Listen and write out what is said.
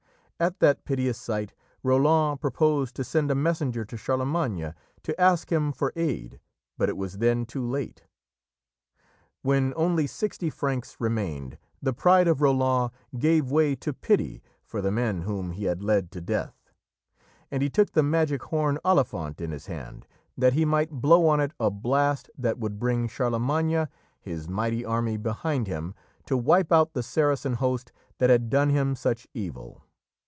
At that piteous sight Roland proposed to send a messenger to Charlemagne to ask him for aid, but it was then too late. When only sixty Franks remained, the pride of Roland gave way to pity for the men whom he had led to death, and he took the magic horn Olifant in his hand, that he might blow on it a blast that would bring Charlemagne, his mighty army behind him, to wipe out the Saracen host that had done him such evil.